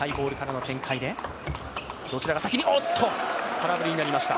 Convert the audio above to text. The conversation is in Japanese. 空振りになりました、